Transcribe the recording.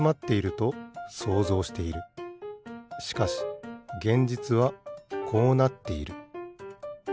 しかし現実はこうなっている。